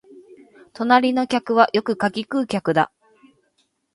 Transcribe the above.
隣の客はよく柿喰う客だ